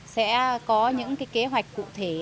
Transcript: sẽ có những kế hoạch cụ thể